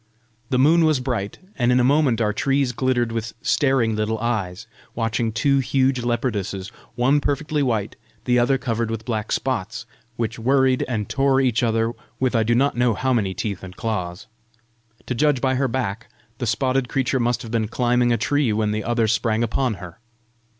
The moon was bright, and in a moment our trees glittered with staring little eyes, watching two huge leopardesses, one perfectly white, the other covered with black spots, which worried and tore each other with I do not know how many teeth and claws. To judge by her back, the spotted creature must have been climbing a tree when the other sprang upon her.